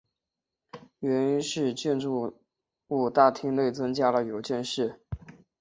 原因是建筑物大厅内增加了邮件室。